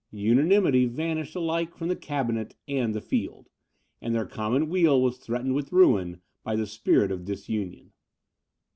Unanimity vanished alike from the cabinet and the field, and their common weal was threatened with ruin, by the spirit of disunion.